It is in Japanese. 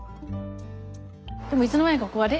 でもいつの間にかあれ？